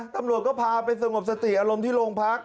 ตำรวจก็พาไปสงบสติอารมณ์ที่โรงพัก